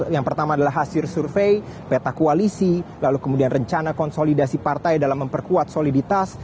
yang pertama adalah hasil survei peta koalisi lalu kemudian rencana konsolidasi partai dalam memperkuat soliditas